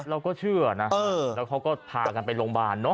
เราก็เชื่อนะแล้วเขาก็พากันไปโรงพยาบาลเนอะ